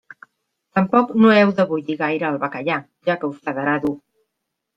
Tampoc no heu de bullir gaire el bacallà, ja que us quedarà dur.